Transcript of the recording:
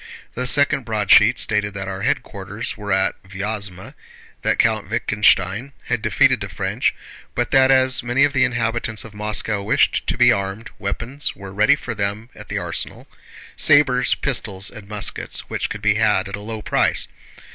The second broadsheet stated that our headquarters were at Vyázma, that Count Wittgenstein had defeated the French, but that as many of the inhabitants of Moscow wished to be armed, weapons were ready for them at the arsenal: sabers, pistols, and muskets which could be had at a low price.